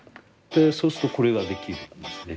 そうするとこれができるんですね。